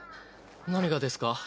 何がですか？